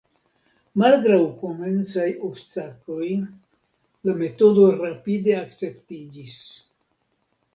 Malgraŭ komencaj obstakloj, la metodo rapide akceptiĝis.